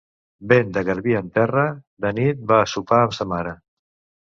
Vent de garbí en terra, de nit va a sopar amb sa mare.